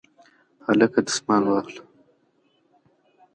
هلکه دستمال واخله